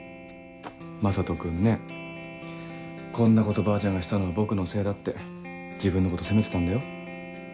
聖人君ねこんなことばあちゃんがしたのは僕のせいだって自分のこと責めてたんだよ。